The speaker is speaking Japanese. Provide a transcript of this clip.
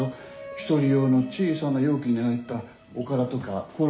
１人用の小さな容器に入ったおからとかコロッケとか。